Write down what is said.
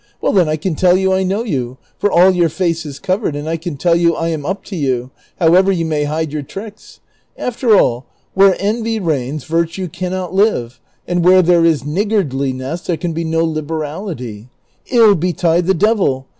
Well, then, I can tell you I know yon, for all your face is covered, and I can tell you I am up to you, however you may hide your tricks. After all, where envy reigns virtue cannot live, and where there is niggardliness there can be no liberality. Ill be tide the devil !